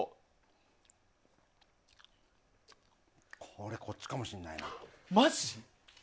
これ、こっちかもしんないな。